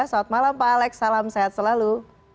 selamat malam pak alex salam sehat selalu